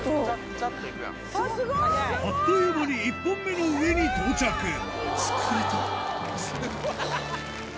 あっという間に１本目の上に到着疲れたハァ。